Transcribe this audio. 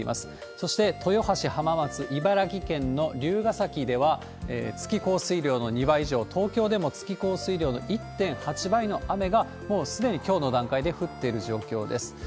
そして、豊橋、浜松、茨城県の龍ヶ崎では、月降水量の２倍以上、東京でも月降水量の１．８倍の雨が、もうすでにきょうの段階で降っている状況です。